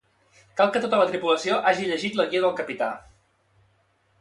Cal que tota la tripulació hagi llegit la guia del capità